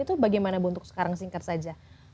itu bagaimana bu untuk sekarang singkat saja